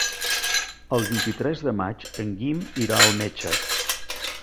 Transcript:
El vint-i-tres de maig en Guim irà al metge.